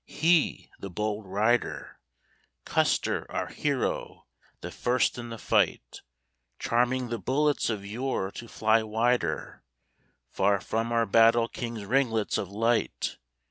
He, the bold rider, Custer, our hero, the first in the fight, Charming the bullets of yore to fly wider, Far from our battle king's ringlets of light!